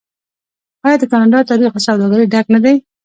آیا د کاناډا تاریخ له سوداګرۍ ډک نه دی؟